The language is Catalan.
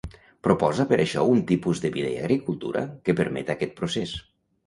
Proposa per això un tipus de vida i agricultura que permeta aquest procés.